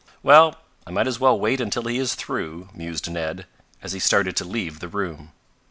"Well, I might as well wait until he is through," mused Ned, as he started to leave the room.